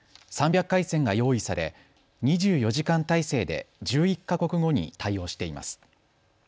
３００回線が用意され２４時間態勢で１１か国語に対応しています。